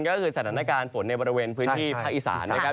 ก็คือสถานการณ์ฝนในบริเวณพื้นที่ภาคอีสานนะครับ